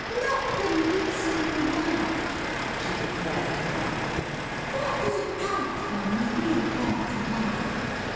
'Not the least in the world,' she declared promptly. ' What does it count for in the real work of hfe